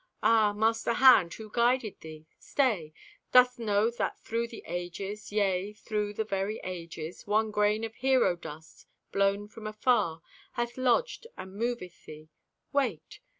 Ah, master hand, who guided thee? Stay! Dost know that through the ages, Yea, through the very ages, One grain of hero dust, blown from afar, Hath lodged, and moveth thee? Wait.